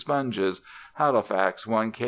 sponges; Halifax, 1 cs.